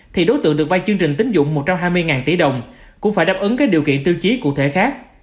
thì đối tượng được vay chương trình tính dụng một trăm hai mươi tỷ đồng cũng phải đáp ứng các điều kiện tiêu chí cụ thể khác